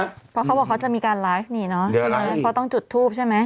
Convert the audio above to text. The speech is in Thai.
เพราะเขาบอกว่าเขาจะมีการไลฟ์นี่เนอะเดี๋ยวไลฟ์อีกเพราะต้องจุดทูปใช่ไหม